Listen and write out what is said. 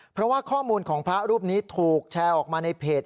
เพราะว่าข้อมูลของพระรูปนี้ถูกแชร์ออกมาในเพจ